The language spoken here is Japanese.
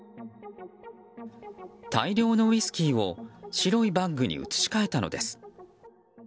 大量のウイスキーを白いバッグに移し替えたのです。